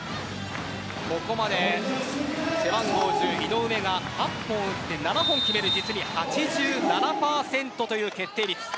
ここまで背番号１０、井上が８本打って７本決める実に８７％という決定率。